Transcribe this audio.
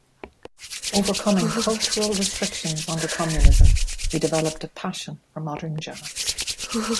Overcoming cultural restrictions under communism, he developed a passion for modern jazz.